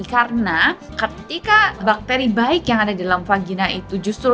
karena ketika bakteri baik yang ada di dalam vagina itu justru terburuk